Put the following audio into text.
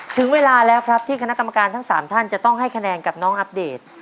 ถึงเวลาแล้วครับที่คณะกรรมการทั้ง๓ท่านจะต้องให้คะแนนกับน้องอัปเดต